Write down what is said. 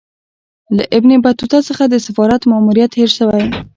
له ابن بطوطه څخه د سفارت ماموریت هېر سوی.